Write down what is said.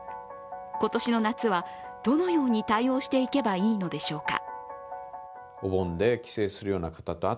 今年の夏はどのように対応していけばいいのでしょうか。